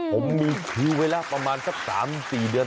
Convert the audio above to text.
ผมมีคือเวลาประมาณสัก๓๔เดือน